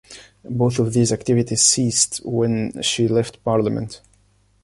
Both of these activities ceased when she left parliament.